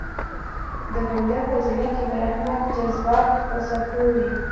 د بنده په زړه کې د رحمت جذبات په څپو وي.